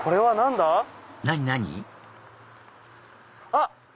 あっ！